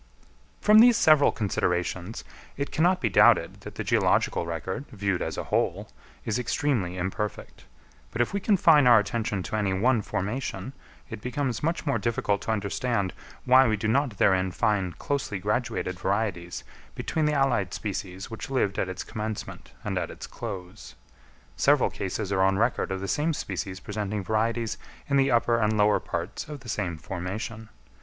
_ From these several considerations it cannot be doubted that the geological record, viewed as a whole, is extremely imperfect; but if we confine our attention to any one formation, it becomes much more difficult to understand why we do not therein find closely graduated varieties between the allied species which lived at its commencement and at its close. Several cases are on record of the same species presenting varieties in the upper and lower parts of the same formation.